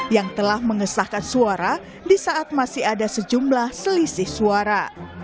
yang telah mengesahkan suara di saat masih ada sejumlah selisih suara